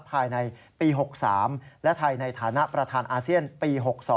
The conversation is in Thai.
ภายในปี๖๓และไทยในฐานะประธานอาเซียนปี๖๒